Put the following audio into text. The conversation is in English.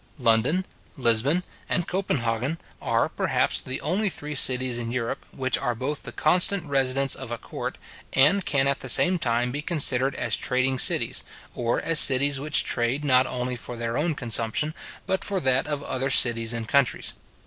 London, Lisbon, and Copenhagen, are, perhaps, the only three cities in Europe, which are both the constant residence of a court, and can at the same time be considered as trading cities, or as cities which trade not only for their own consumption, but for that of other cities and countries.